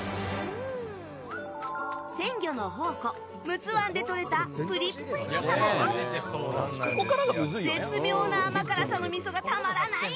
鮮魚の宝庫、陸奥湾でとれたプリップリの鯖と絶妙な甘辛さの味噌がたまらない！